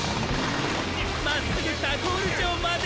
まっすぐタコールじょうまで！